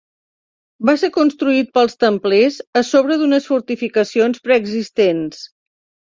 Va ser construït pels templers a sobre d'unes fortificacions preexistents.